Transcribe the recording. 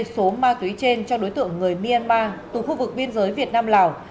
số ma túy trên cho đối tượng người myanmar từ khu vực biên giới việt nam lào